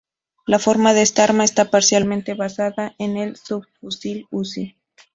La forma de esta arma está parcialmente basada en el subfusil Uzi.